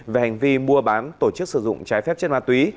về hành vi mua bán tổ chức sử dụng trái phép chất ma túy